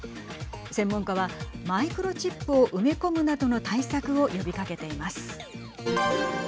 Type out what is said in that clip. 専門家はマイクロチップを埋め込むなどの対策を呼びかけています。